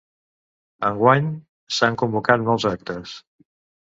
Enguany s’han convocat molts actes.